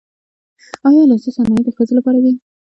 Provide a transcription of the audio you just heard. آیا لاسي صنایع د ښځو لپاره دي؟